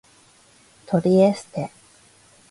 トリエステ